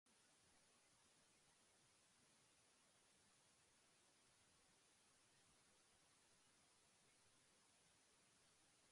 Carlomagno habría conducido una parte donada de esas reliquias a Francia.